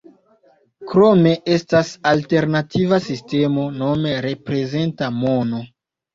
Krome estas alternativa sistemo nome reprezenta mono.